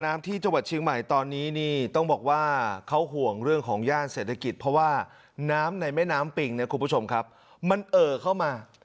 น้ำที่จังหวัดเชียงใหม่ตอนนี้นี่ต้องบอกว่าเขาห่วงเรื่องของย่านเศรษฐกิจเพราะว่าน้ำในแม่น้ำปิงเนี่ยคุณผู้ชมครับมันเอ่อเข้ามา